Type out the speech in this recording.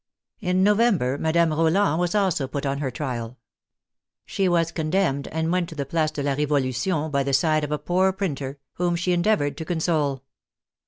In November, Madame Roland was also put on her trial. She was con demned, and went to the Place de la Revolution by the side of a poor printer, whom she endeavored to console.